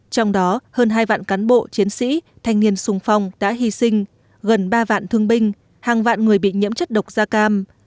thanh niên sung phong đã hy sinh gần ba vạn thương binh hàng vạn người bị nhiễm chất độc da cam